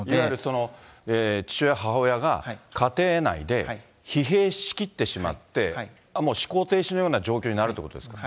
いわゆるその父親、母親が家庭内で疲弊しきってしまって、もう思考停止のような状況になるってことですか。